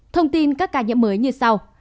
thông tin các ca nhiễm mới như sau